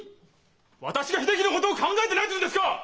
私が秀樹のことを考えてないと言うんですか！？